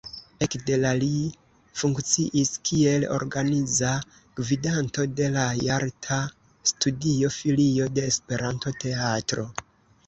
Ekde la li funkciis kiel organiza gvidanto de la jalta studio–filio de Esperanto-teatro.